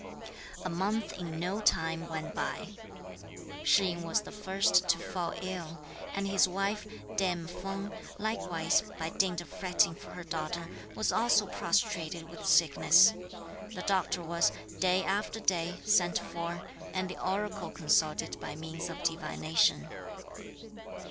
A month in no time went by. Shih yin was the first to fall ill, and his wife, Dame Feng, likewise, by dint of fretting for her daughter, was also prostrated with sickness. The doctor was, day after day, sent for, and the oracle consulted by means of divination.